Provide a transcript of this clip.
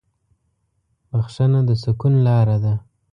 بښنه د سکون لاره ده.